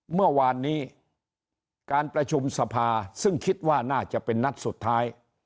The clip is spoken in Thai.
เมื่อวานนี้การประชุมสภาซึ่งคิดว่าน่าจะเป็นนัดสุดท้าย